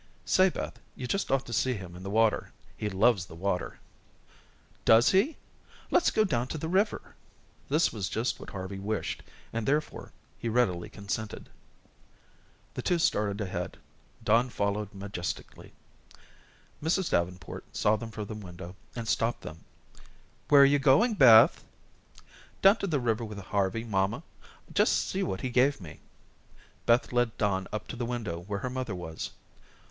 "Say, Beth, you just ought to see him in the water. He loves the water." "Does he? Let's go down to the river." This was just what Harvey wished, and therefore he readily consented. The two started ahead. Don followed majestically. Mrs. Davenport saw them from the window, and stopped them. "Where are you going, Beth?" "Down to the river with Harvey, mamma. Just see what he gave me." Beth led Don up to the window where her mother was.